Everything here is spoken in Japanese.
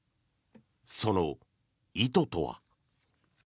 その意図とは。